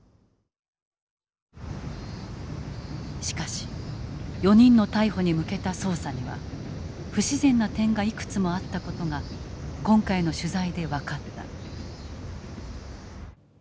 しかし４人の逮捕に向けた捜査には不自然な点がいくつもあった事が今回の取材で分かった。